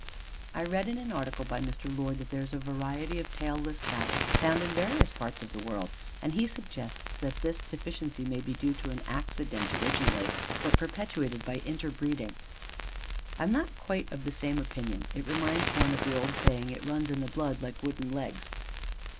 I read in an article by Mr. Lord that there is a variety of tailless Cats found in various parts of the world, and he suggests that this deficiency may be due to an accident originally, but perpetuated by interbreeding. I am not quite of the same opinion. It reminds one of the old saying, "It runs in the blood, like wooden legs."